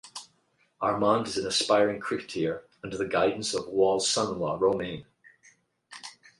Armand is an aspiring cricketer under the guidance of Wall's son-in-law Romain.